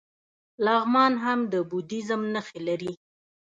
لغمان هم د بودیزم نښې لري